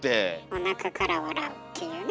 おなかから笑うっていうね。